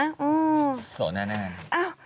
ส่วนหน้า